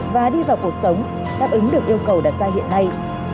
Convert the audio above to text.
và đi vào cuộc sống đáp ứng được yêu cầu đặt ra hiện nay